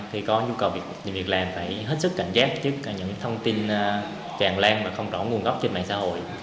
khi có nhu cầu việc làm phải hết sức cảnh giác trước những thông tin tràn lan và không rõ nguồn gốc trên mạng xã hội